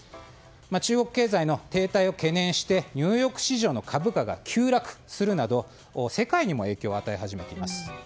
中国経済の停滞を懸念してニューヨーク市場の株価が急落するなど世界にも影響を与え始めています。